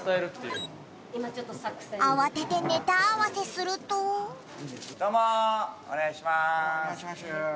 慌ててネタ合わせするとどうもお願いします。